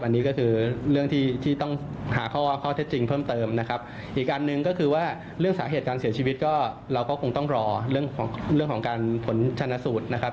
อันนี้ก็คือเรื่องที่ต้องหาข้อเท็จจริงเพิ่มเติมนะครับ